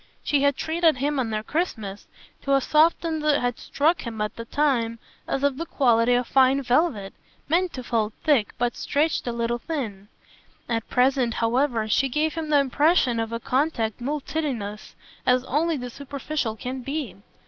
She had treated him on their Christmas to a softness that had struck him at the time as of the quality of fine velvet, meant to fold thick, but stretched a little thin; at present, however, she gave him the impression of a contact multitudinous as only the superficial can be.